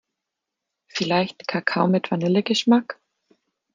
Vielleicht Kakao mit Vanillegeschmack?